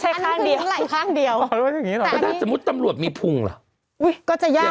จากยังว่าผู้ใหญ่ครับจากโล่งทั้งตัวครับ